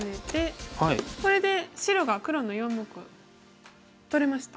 これで白が黒の４目を取れました。